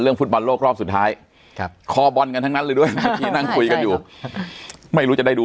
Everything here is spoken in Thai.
เรื่องฟุตบอลโลกรอบสุดท้ายครับคอบอนกันทั้งนั้นเลยด้วยนั่งคุยกันอยู่ไม่รู้จะได้ดู